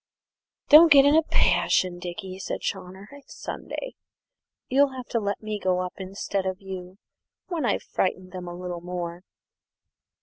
"Don't get in a passion, Dickie," said Chawner; "it's Sunday. You'll have to let me go up instead of you when I've frightened them a little more."